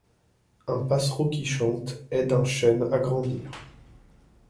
Un passereau qui chante aide un chêne à grandir.